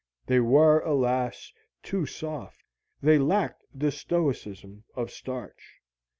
They were, alas, too soft. They lacked the stoicism of starch.